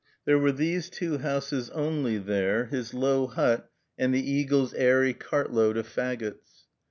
There were these two houses only there, his low hut and the eagles' airy cart load of fagots.